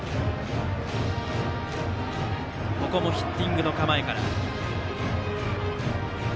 ここもヒッティングの構えから。